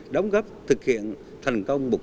đồng góp thực hiện cộng đồng asean